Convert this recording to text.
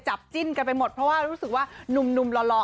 จิ้นกันไปหมดเพราะว่ารู้สึกว่าหนุ่มหล่อ